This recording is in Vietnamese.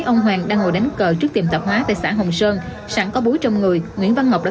nạn nhân đang ngồi đánh cờ trước tiệm tạo hóa tại xã hồng sơn sẵn có búa trong người nguyễn văn ngọc đã